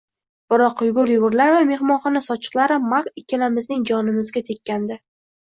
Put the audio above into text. Biroq yugur-yugurlar va mehmonxona sochiqlari Mak ikkalamizning jonimizga tekkandi